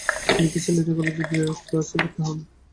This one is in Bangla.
তিনি প্রেসিডেন্সী কলেজে বি এ ক্লাসে ভর্তি হন।